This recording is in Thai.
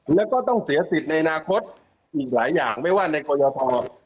แล้วก็ต้องเสียสิทธิ์ในอนาคตอีกหลายอย่างไม่ว่าในกรยท